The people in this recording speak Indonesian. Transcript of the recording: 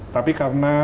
tapi karena melihat papa